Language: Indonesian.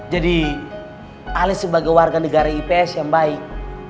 jadi ale sebagai warga negara ips yang baik